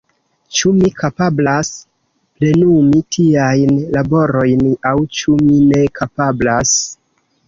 Ĉu mi kapablas plenumi tiajn laborojn aŭ ĉu mi ne kapablas?